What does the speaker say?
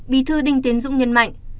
bí thư đinh tiến dũng nhân mạnh